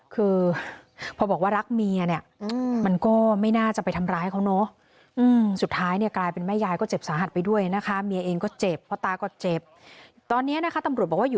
คือพอบอกว่ารักเมียเนี่ย